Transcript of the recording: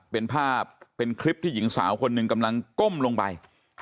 เป็นภาพเป็นคลิปที่หญิงสาวคนหนึ่งกำลังก้มลงไป